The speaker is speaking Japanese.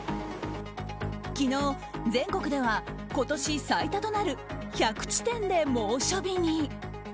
昨日、全国では今年最多となる１００地点で猛暑日に。